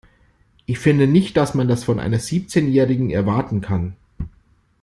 Ich finde nicht, dass man das von einer Siebzehnjährigen erwarten kann.